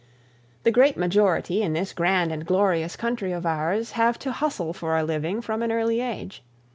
The great majority in this grand and glorious country of ours have to hustle for a living from an early age.